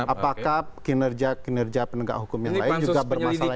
apakah kinerja kinerja penegak hukum yang lain juga bermasalah